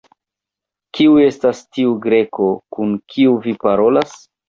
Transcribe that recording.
Kiu estas tiu Greko, kun kiu vi parolas?